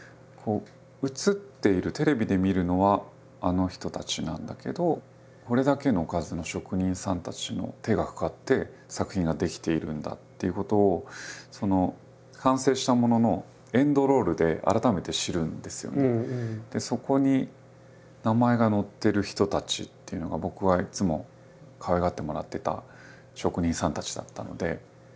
映っているテレビで見るのはあの人たちなんだけどこれだけの数の職人さんたちの手がかかって作品が出来ているんだっていうことを完成したもののそこに名前が載ってる人たちっていうのが僕がいつもかわいがってもらってた職人さんたちだったので。